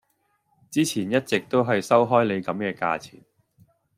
之前一直都係收開你咁嘅價錢